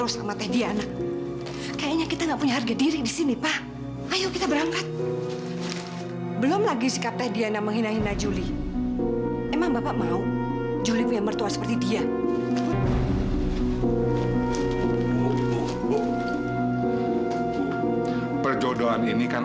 sampai jumpa di video selanjutnya